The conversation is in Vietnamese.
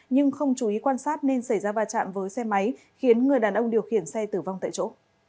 nhưng không chú ý quan sát nên xảy ra va chạm với xe máy khiến người đàn ông điều khiển xe tử vong tại chỗ